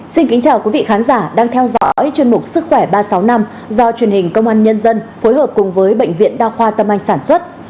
xin kính chào quý vị khán giả đang theo dõi chuyên mục sức khỏe ba trăm sáu mươi năm do truyền hình công an nhân dân phối hợp cùng với bệnh viện đa khoa tâm anh sản xuất